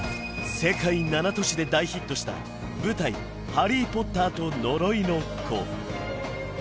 世界７都市で大ヒットした舞台「ハリー・ポッターと呪いの子」